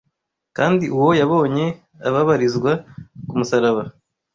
kandi uwo yabonye ababarizwa ku musaraba